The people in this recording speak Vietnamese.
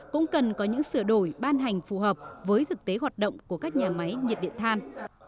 cũng cần có những sửa đổi ban hành phù hợp với thực tế hoạt động của các nhà máy nhiệt điện than